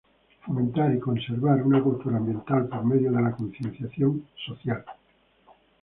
Fomentar y conservar una cultura ambiental por medio de la concientización social.